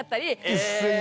一斉にね。